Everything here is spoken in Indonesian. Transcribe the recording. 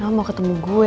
lo mau ketemu gue